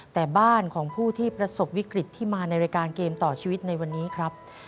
แต่บ้านของผู้ที่ประสบวิกฤตที่มาในรายการเกมต่อชีวิตในวันนี้ครับ